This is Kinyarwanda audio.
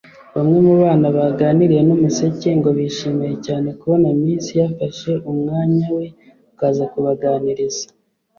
Bamwe mu bana baganiriye n’Umuseke ngo bishimiye cyane kubona Miss yafashe umwanya we akaza kubaganiriza